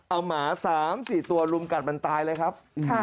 เอาหมา๓๔ตัวลุมกัดมันตายเลยครับ